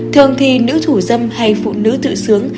thường thì nữ thủ dâm hay phụ nữ tự sướng